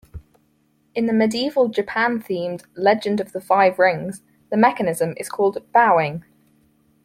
In the medieval-Japan-themed "Legend of the Five Rings", the mechanism is called "bowing".